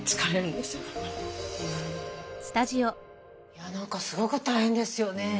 いや何かすごく大変ですよね。